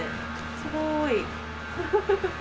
すごーい。